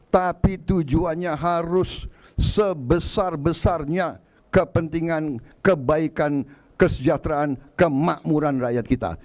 tapi tujuannya harus sebesar besarnya kepentingan kebaikan kesejahteraan kemakmuran rakyat kita